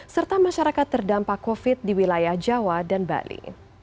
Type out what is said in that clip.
serta masyarakat terdampak covid di wilayah jawa dan bali